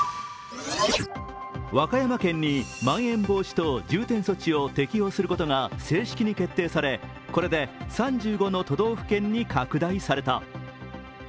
和歌山県にまん延防止等重点措置を適用することが正式に決定されこれで３５の都道府県に拡大された。